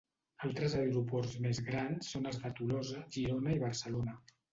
Altres aeroports més grans són els de Tolosa, Girona i Barcelona.